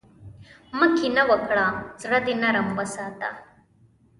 مه کینه وکړه، زړۀ دې نرم وساته.